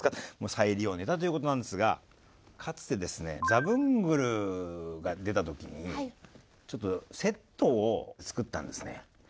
再利用ネタということなんですがかつてですねザブングルが出た時にちょっとセットを作ったんですね。